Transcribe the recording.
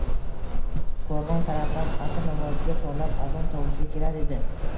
Qoʼrgʼon tarafdan asr namoziga chorlab azon tovushi kelar edi.